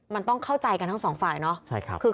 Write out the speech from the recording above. มันต้องเข้าใจกันทั้งสองฝ่ายเนาะ